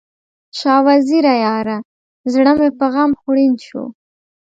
شاه وزیره یاره، زړه مې په غم خوړین شو